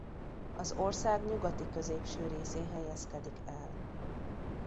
Az ország nyugati-középső részén helyezkedik el.